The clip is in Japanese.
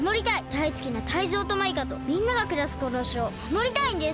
だいすきなタイゾウとマイカとみんながくらすこのほしをまもりたいんです！